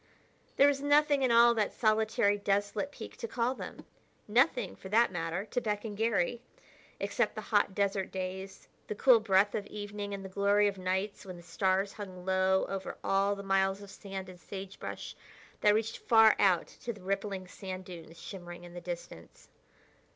There was nothing in all that solitary, desolate peak to call them; nothing, for that matter, to beckon Garry, except the hot desert days, the cool breath of evening and the glory of nights when the stars hung low over all the miles of sand and sagebrush that reached far out to the rippling sand dunes shimmering in the distance.